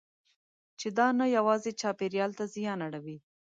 چې دا نه یوازې چاپېریال ته زیان اړوي.